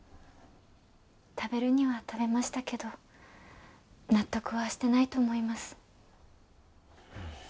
食べるには食べましたけど納得はしてないと思います